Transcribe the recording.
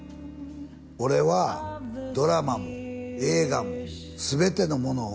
「俺はドラマも映画も全てのものを」